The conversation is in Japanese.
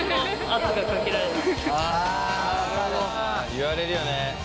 言われるよね。